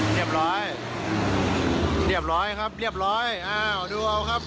เรียบร้อยเรียบร้อยครับเรียบร้อยอ้าวดูเอาครับ